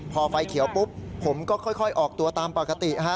พอไฟเขียวปุ๊บผมก็ค่อยออกตัวตามปกติฮะ